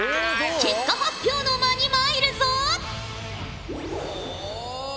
結果発表の間に参るぞ！